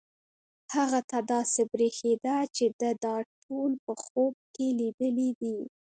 هغه ته داسې برېښېده چې ده دا ټول په خوب کې لیدلي دي.